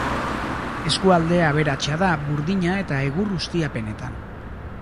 Eskualde aberatsa da burdina- eta egur-ustiapenetan.